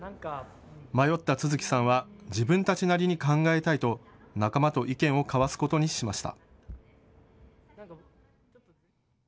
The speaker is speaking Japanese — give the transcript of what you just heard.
迷った都築さんは自分たちなりに考えたいと仲間と意見を交わすことにしました。